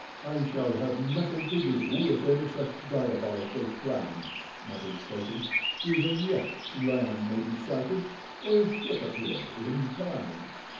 "I shall have nothing to do with any such diabolical plan," muttered Clayton; "even yet land may be sighted or a ship appear—in time."